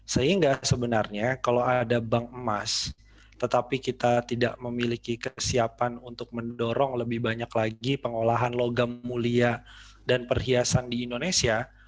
sehingga sebenarnya kalau ada bank emas tetapi kita tidak memiliki kesiapan untuk mendorong lebih banyak lagi pengolahan logam mulia dan perhiasan di indonesia